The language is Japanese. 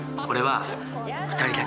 これは。